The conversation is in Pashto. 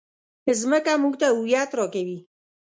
مځکه موږ ته هویت راکوي.